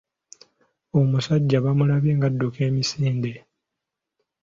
Omusajja bamulabye ng'adduka emisinde.